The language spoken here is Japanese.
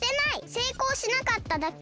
せいこうしなかっただけ！